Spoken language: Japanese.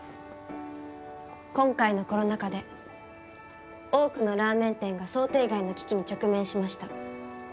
今回のコロナ禍で多くのラーメン店が想定外の危機に直面しました。